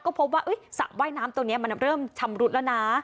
ก็พบว่าสระว่ายน้ำตรงนี้มันเริ่มชำรุดแล้วนะ